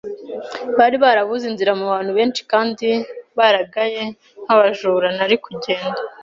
bari barabuze inzira mubantu benshi, kandi baragaya nkabajura, nari kugenda